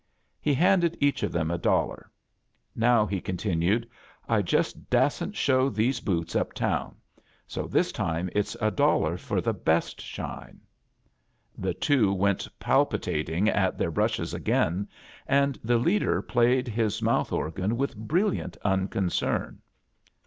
He handed each of them a dollar. "Now," he continued, "I just dassent show these boots tip town; so this ti. Tie it's a dollar for tfie best shine." , The two went palpitatii^ at theh brush es a^rain, and the leader played his mouth organ with brilliant unconcern.